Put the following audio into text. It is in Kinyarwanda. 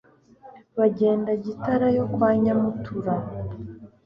Bagenda Gitara yo kwa Nyamutura